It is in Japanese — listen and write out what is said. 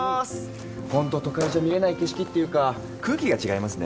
ほんと都会じゃ見れない景色っていうか空気が違いますね。